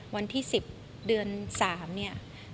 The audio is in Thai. วันที่๑๐เดือน๓เนี่ย